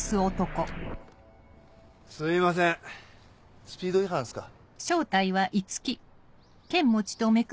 すいませんスピード違反っすか？